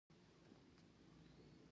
تالابونه د افغانستان د زرغونتیا نښه ده.